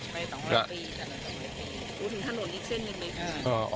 ไป๒๐๐ปีแต่เราจะไม่ไปอีก